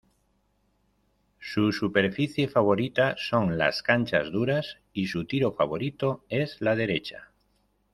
Su superficie favorita son las canchas duras y su tiro favorito es la derecha.